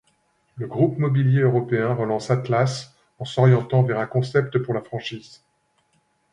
Le groupe Mobilier Européen relance Atlas en s'orientant vers un concept pour la franchise.